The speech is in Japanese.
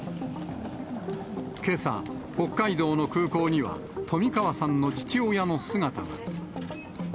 けさ、北海道の空港には冨川さんの父親の姿が。